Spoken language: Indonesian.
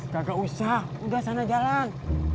kagak usah udah sana jalan